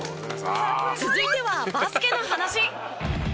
続いてはバスケの話。